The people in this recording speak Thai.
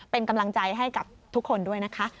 เป็นกำลังใจให้กับทุกคนด้วยนะคะ